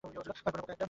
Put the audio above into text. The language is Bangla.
পারবো না, বোকা একটা।